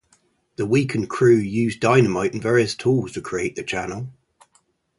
The weakened crew used dynamite and various tools to create the channel.